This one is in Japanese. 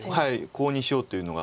コウにしようというのが。